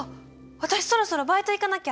あたしそろそろバイト行かなきゃ！